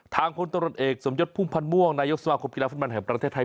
ทางคนตรวจเอกสมยศภูมิพันธ์ม่วงนายกสมาคมกีฬาฟันบรรยาประเทศไทย